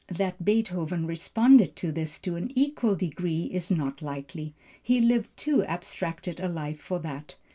That Beethoven responded to this to an equal degree is not likely. He lived too abstracted a life for that.